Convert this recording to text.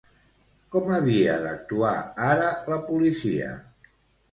Com havia d'actuar ara la policia?